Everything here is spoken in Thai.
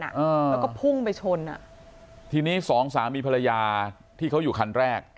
แล้วก็พุ่งไปชนอ่ะทีนี้สองสามีภรรยาที่เขาอยู่คันแรก